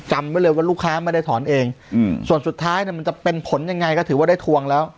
จำไว้เลยว่าลูกค้าไม่ได้ถอนเองส่วนสุดท้ายเนี่ยมันจะเป็นผลยังไงก็ถือว่าได้ทวงแล้ว